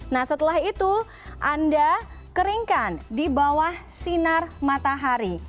nah setelah itu anda keringkan di bawah sinar matahari